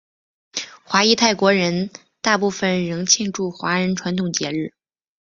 华裔泰国人大部分仍庆祝华人传统节日。